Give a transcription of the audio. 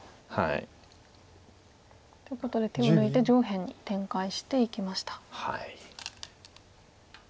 ということで手を抜いて上辺に展開していきました。